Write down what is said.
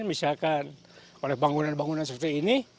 misalkan oleh bangunan bangunan seperti ini